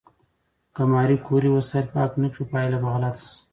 که ماري کوري وسایل پاک نه کړي، پایله به غلطه شي.